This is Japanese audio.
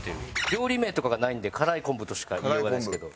料理名とかがないんで「辛い昆布」としか言いようがないんですけど。